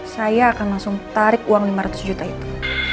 saya akan langsung tarik uang lima ratus juta itu